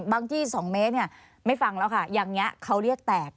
ที่๒เมตรไม่ฟังแล้วค่ะอย่างนี้เขาเรียกแตก